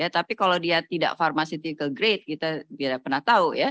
tapi kalau dia tidak pharmaceutical grade kita tidak pernah tahu